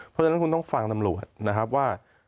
เพราะฉะนั้นคุณต้องฟังตำรวจนะครับว่า